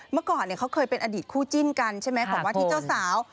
เมื่อก่อนเขาเคยเป็นอดีตคู่จิ้นกันใช่ไหมของว่าที่เจ้าสาว